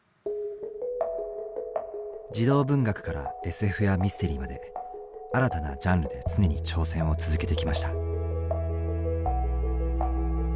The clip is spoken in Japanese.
児童文学からＳＦやミステリーまで新たなジャンルで常に挑戦を続けてきました。